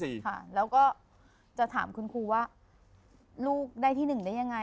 ค่ะแล้วก็จะถามคุณครูว่าลูกได้ที่หนึ่งได้ยังไง